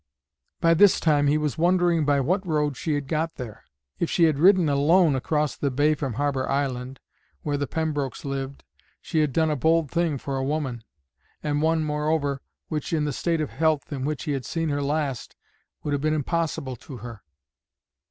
By this time he was wondering by what road she had got there. If she had ridden alone across the bay from Harbour Island, where the Pembrokes lived, she had done a bold thing for a woman, and one, moreover, which, in the state of health in which he had seen her last, would have been impossible to her.